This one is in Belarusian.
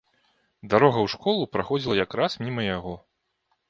Дарога ў школу праходзіла якраз міма яго.